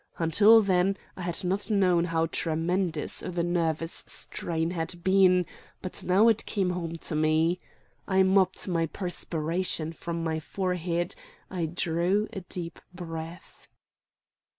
Until then I had not known how tremendous the nervous strain had been; but now it came home to me. I mopped the perspiration from my forehead, I drew a deep breath.